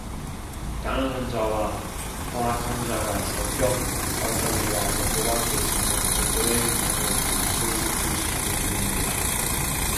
가난한 자와 포학한 자가 섞여 살거니와 여호와께서는 그들의 눈에 빛을 주시느니라